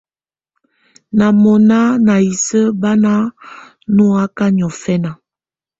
Nà mɔ̀nà ná isǝ́ bá ná nɔ̀áka niɔ̀fɛna.